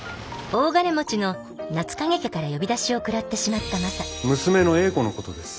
大金持ちの夏影家から呼び出しを食らってしまったマサ娘の英子のことです。